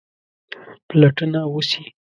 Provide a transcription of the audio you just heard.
پلټنه وسي.